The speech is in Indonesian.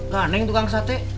gak ada yang tukang sate